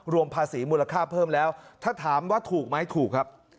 รวมภาษีมูลค่าเพิ่มแล้วถ้าถามว่าถูกไหมถูกครับ